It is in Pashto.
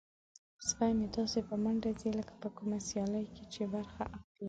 سپی مې داسې په منډه ځي لکه په کومه سیالۍ کې چې برخه اخلي.